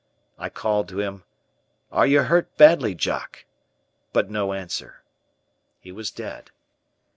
I called to him, "Are you hurt badly, Jock?" but no answer. He was dead.